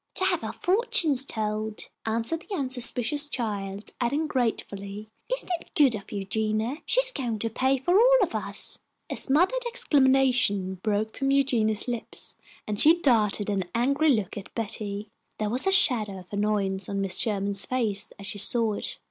"To have our fortunes told," answered the unsuspicious child, adding, gratefully, "Isn't it good of Eugenia? She is going to pay for all of us." A smothered exclamation broke from Eugenia's lips, and she darted an angry look at Betty. There was a shadow of annoyance on Mrs. Sherman's face as she saw it.